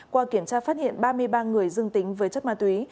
qua kiểm tra phát hiện ba mươi ba người dương tính với chất ma túy